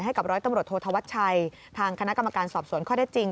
ให้กับร้อยตำรวจโทษธวัชชัยทางคณะกรรมการสอบสวนข้อได้จริง